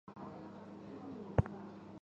黄孟复的外甥为台北市议员侯冠群。